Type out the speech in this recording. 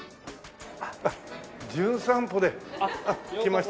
あっ『じゅん散歩』で来ました